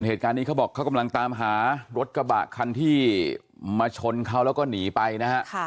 เหตุการณ์นี้เขาบอกเขากำลังตามหารถกบักคันที่มาชนเขาแล้วก็หนีไปนะครับ